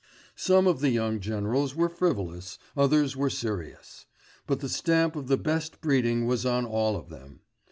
Some of the young generals were frivolous, others were serious; but the stamp of the best breeding was on all of them.